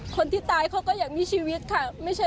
คนที่ตายเขาก็อยากมีชีวิตค่ะ